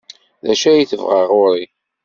D acu ay tebɣa ɣer-i?